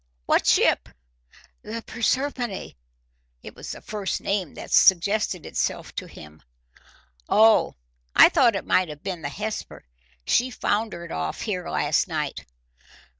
"What ship?" "The Proserpine." It was the first name that suggested itself to him. "Oh, I thought it might have been the Hesper; she foundered off here last night."